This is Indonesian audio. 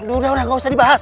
udah udah nggak usah dibantah